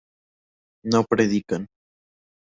no predican